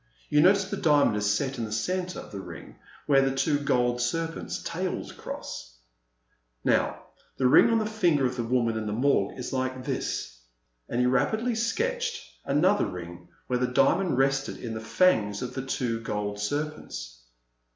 You notice the diamond is set in the centre of the ring where the two gold serpents' tails cross ! Now the ring on the finger of the woman in the Morgue is like this," and he rapidly sketched another ring where the diamond rested in the fangs of the t^'o gold serpents.